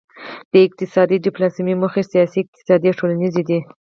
د اقتصادي ډیپلوماسي موخې سیاسي اقتصادي او ټولنیزې دي